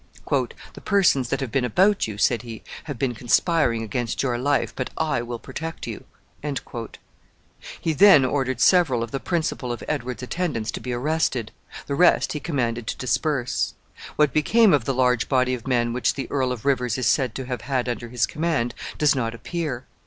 "The persons that have been about you," said he, "have been conspiring against your life, but I will protect you." He then ordered several of the principal of Edward's attendants to be arrested; the rest he commanded to disperse. What became of the large body of men which the Earl of Rivers is said to have had under his command does not appear.